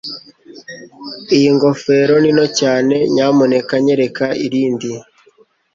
Iyi ngofero ni nto cyane. Nyamuneka nyereka irindi.